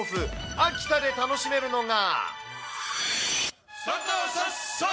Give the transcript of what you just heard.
秋田で楽しめるのが。